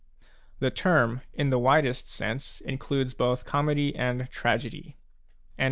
The term, in the widest sense, includes both comedy and tragedy. * i.